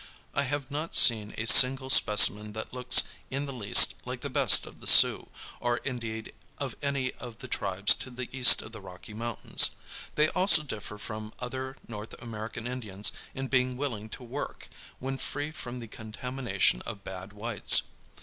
I have not seen a single specimen that looks in the least like the best of the Sioux, or indeed of any of the tribes to the east of the Rocky Mountains. They also differ from other North American Indians in being willing to work, when free from the contamination of bad whites.